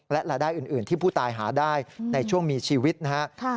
และรายได้อื่นที่ผู้ตายหาได้ในช่วงมีชีวิตนะครับ